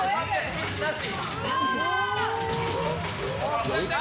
ミスなし。